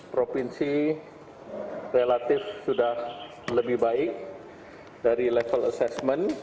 provinsi relatif sudah lebih baik dari level assessment